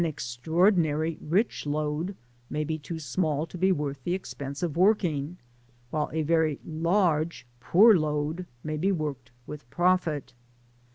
975 extraordinary rich lode may be too small to be worth the expense of working, while a very large poor lode ipay be worked with profit.